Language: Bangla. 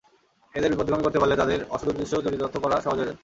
এঁদের বিপথগামী করতে পারলে তাদের অসদুদ্দেশ্য চরিতার্থ করা সহজ হয়ে যায়।